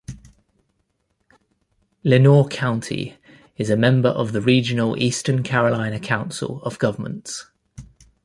Lenoir County is a member of the regional Eastern Carolina Council of Governments.